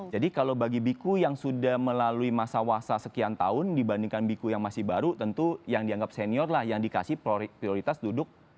jadi kalau bagi biku yang sudah melalui masa wasa sekian tahun dibandingkan biku yang masih baru tentu yang dianggap senior lah yang dikasih prioritas duduk